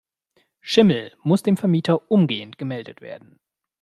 Schimmel muss dem Vermieter umgehend gemeldet werden.